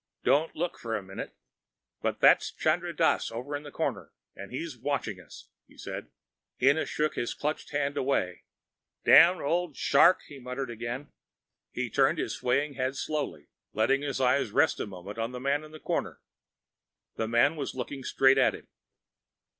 "Don't look for a minute, but that's Chandra Dass over in the corner, and he's watching us," he said. Ennis shook his clutching hand away. "Damned old shark!" he muttered again. He turned his swaying head slowly, letting his eyes rest a moment on the man in the corner. That man was looking straight at him.